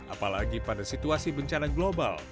apalagi pada situasi bencana global